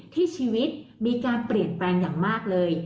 ที่ชีวิตมีการเปลี่ยนแปลงอย่างมากเลย